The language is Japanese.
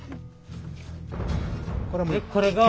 これが兜。